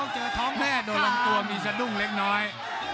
เจอท้องแพร่โดรมตัวมีสัตว์ดุ้งเล็กน้อย